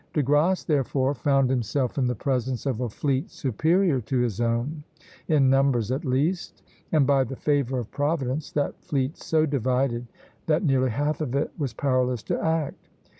De Grasse therefore found himself in the presence of a fleet superior to his own, in numbers at least, and by the favor of Providence that fleet so divided that nearly half of it was powerless to act.